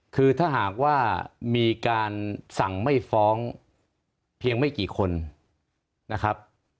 คือถ้าหากว่ามีการสั่งไม่ฟ้องเพียงไม่กี่คนนะครับ